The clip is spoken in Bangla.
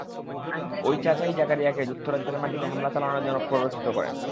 ওই চাচা ই জাকারিয়াকে যুক্তরাজ্যের মাটিতে হামলা চালানোর জন্য প্ররোচিত করেন।